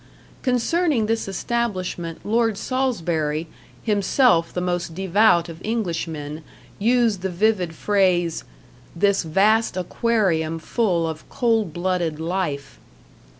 Concerning this establishment Lord Salisbury, himself the most devout of Englishmen, used the vivid phrase: "This vast aquarium full of cold blooded life."